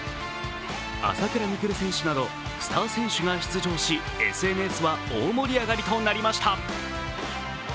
朝倉未来選手などスター選手が出場し、ＳＮＳは大盛り上がりとなりました。